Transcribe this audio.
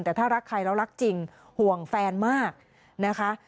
แต่ถ้ารักใครแล้วรักจริงห่วงแฟนมากนะคะ